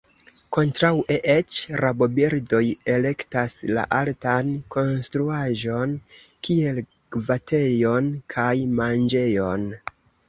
Kontraŭe eĉ, rabobirdoj elektas la altan konstruaĵon kiel gvatejon kaj manĝejon.